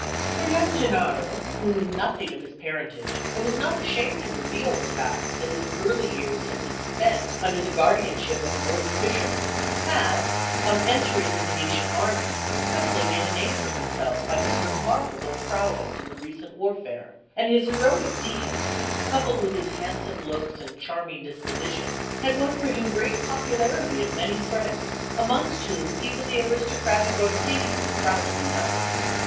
For young Gennaro, who knew nothing of his parentage and was not ashamed to reveal the fact that his early years had been spent under the guardianship of an old fisherman, had, on entering the Venetian army, quickly made a name for himself by his remarkable prowess in the recent warfare; and his heroic deeds, coupled with his handsome looks and charming disposition, had won for him great popularity and many friends, amongst whom even the aristocratic Orsini was proud to be numbered.